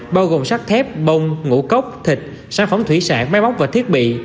bao gồm sắt thép bông ngũ cốc thịt sản phẩm thủy sản máy móc và thiết bị